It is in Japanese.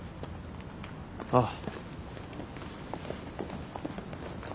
ああ。